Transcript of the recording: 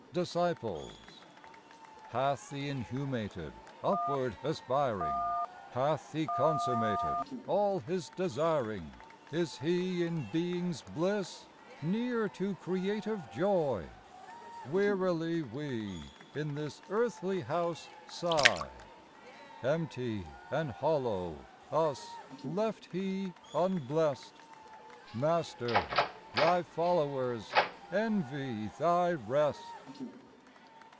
Disciples. Hath the inhumated Upward aspiring, Hath He consummated All His desiring ? Is He in being's bliss Near to creative joy ? Wearilv we in this Earthly house sigh : Empty and hollow, us Left He unblest. Master ! Thy followers Envy Thy rest.